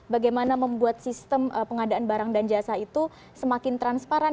bagaimana membuat sistem pengadaan barang dan jasa itu semakin transparan